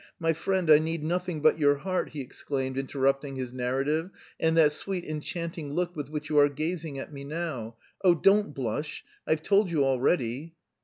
My friend, I need nothing but your heart!" he exclaimed, interrupting his narrative, "and that sweet enchanting look with which you are gazing at me now. Oh, don't blush! I've told you already..."